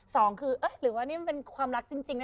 สองคือเอ๊ะหรือว่านี่มันเป็นความรักจริงนะ